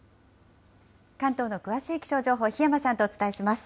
関東の詳しい気象情報、檜山さんとお伝えします。